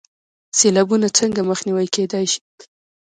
سیلابونه څنګه مخنیوی کیدی شي؟